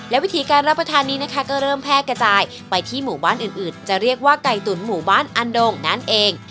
และวิธีการรับประทานนี้นะคะก็เริ่มแพร่กระจายไปที่หมู่บ้านอื่นจะเรียกว่าไก่ตุ๋นหมู่บ้านอันดงนั่นเอง